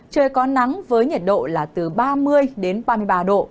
trời có nắng với nhiệt độ là từ ba mươi đến ba mươi ba độ